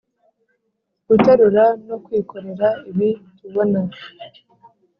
Guterura no kwikorera ibi tubona